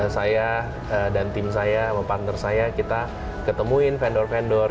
saya dan tim saya sama partner saya kita ketemuin vendor vendor